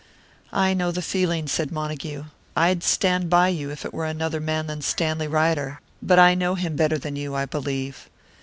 "I know the feeling," said Montague. "I'd stand by you, if it were another man than Stanley Ryder. But I know him better than you, I believe."